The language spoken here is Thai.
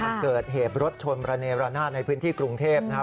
มันเกิดเหตุรถชนระเนรนาศในพื้นที่กรุงเทพนะครับ